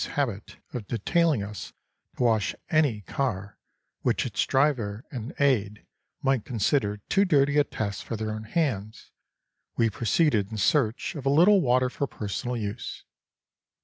's habit of detailing us to wash any car which its driver and aide might consider too dirty a task for their own hands) we proceeded in search of a little water for personal use.